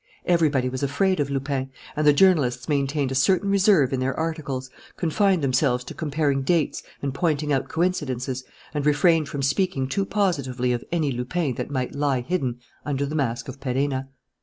Everybody was afraid of Lupin; and the journalists maintained a certain reserve in their articles, confined themselves to comparing dates and pointing out coincidences, and refrained from speaking too positively of any Lupin that might lie hidden under the mask of Perenna.